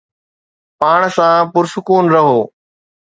پاڻ سان پرسڪون رهو